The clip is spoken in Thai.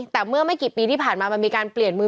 แต่เมื่อไม่กี่ปีที่ผ่านมามันมีการเปลี่ยนมือ